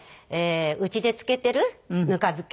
うちで漬けてるぬか漬け。